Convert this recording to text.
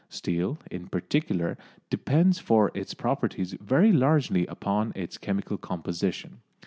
Steel, in particular, depends for its properties very largely upon its chemical composition.